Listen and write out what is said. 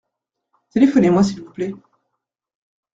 Téléphonez-moi s’il vous plait.